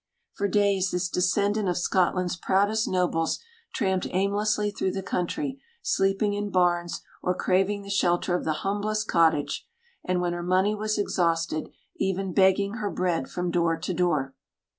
For days this descendant of Scotland's proudest nobles tramped aimlessly through the country, sleeping in barns or craving the shelter of the humblest cottage, and, when her money was exhausted, even begging her bread from door to door.